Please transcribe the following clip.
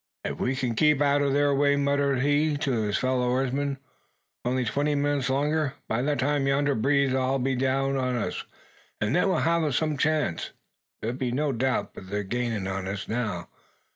"If we can keep out o' their way," muttered he to his fellow oarsman, "only twenty minutes longer! By that time yonder breeze 'll be down on us; and then we'll ha' some chance. There be no doubt but they're gainin' on us now.